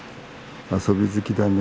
遊び好きだね？